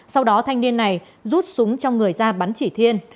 sau đó thanh niên này rút súng trong người ra bắn chỉ thiên